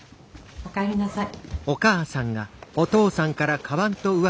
お帰りなさい。